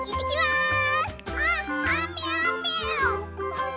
うん。